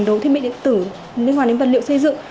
đầu thiết bị điện tử liên quan đến vật liệu xây dựng